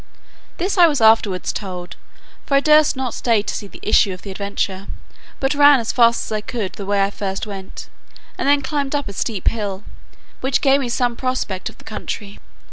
This I was afterwards told, for I durst not stay to see the issue of the adventure; but ran as fast as I could the way I first went, and then climbed up a steep hill, which gave me some prospect of the country.